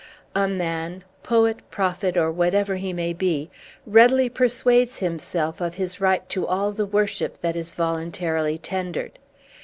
A man poet, prophet, or whatever he may be readily persuades himself of his right to all the worship that is voluntarily tendered.